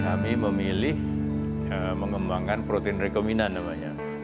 kami memilih mengembangkan protein rekombinan namanya